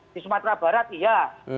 di sumatera barat iya